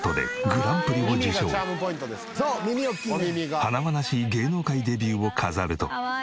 華々しい芸能界デビューを飾ると。